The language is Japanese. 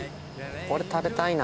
これ食べたいな。